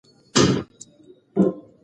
د اصفهان ښه آب و هوا میرویس ستایلې وه.